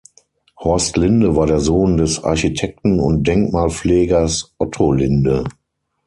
Horst Linde war der Sohn des Architekten und Denkmalpflegers Otto Linde.